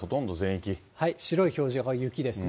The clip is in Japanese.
白い表示が雪ですね。